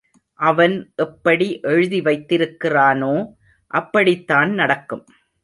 அவன் எப்படி எழுதி வைத்திருக்கிறானோ அப்படித்தான் நடக்கும்.